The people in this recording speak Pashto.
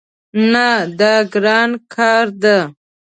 نه، دا ګران کار ده